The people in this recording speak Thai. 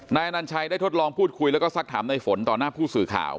นายอนัญชัยได้ทดลองพูดคุยแล้วก็สักถามในฝนต่อหน้าผู้สื่อข่าว